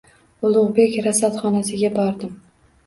Ulug‘bek rasadxonasiga bordim.